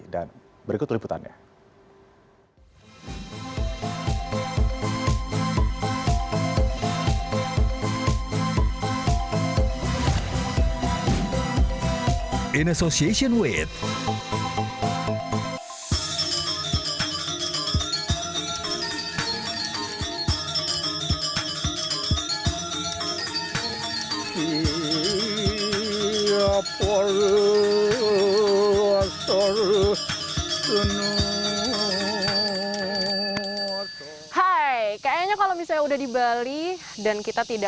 dan berikut liputannya